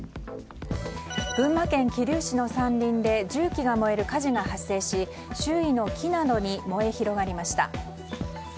群馬県桐生市の山林で重機が燃える火事が発生し周囲の木などに燃え広がりました。